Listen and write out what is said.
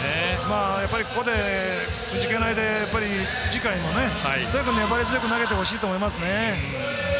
ここで、くじけないで次回もね、とにかく粘り強く投げてほしいと思いますね。